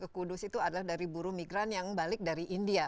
ke kudus itu adalah dari buru migran yang balik dari india